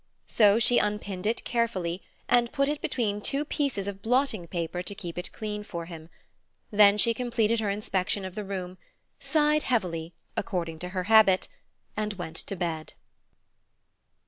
So she unpinned it carefully, and put it between two pieces of blotting paper to keep it clean for him. Then she completed her inspection of the room, sighed heavily according to her habit, and went to bed.